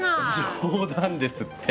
冗談ですって。